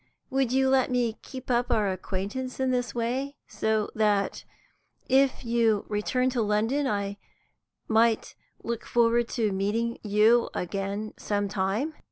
Would you let me keep up our acquaintance in this way, so that, if you return to London, I might look forward to meeting you again some time?"